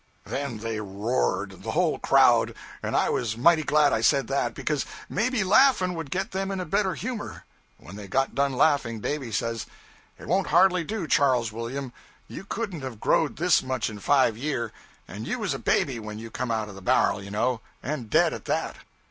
Then they roared the whole crowd; and I was mighty glad I said that, because maybe laughing would get them in a better humor. When they got done laughing, Davy says 'It won't hardly do, Charles William. You couldn't have growed this much in five year, and you was a baby when you come out of the bar'l, you know, and dead at that.